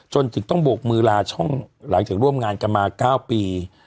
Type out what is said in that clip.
จนถึงต้องโบกมือลาช่องหลังจากร่วมงานกันมา๙ปี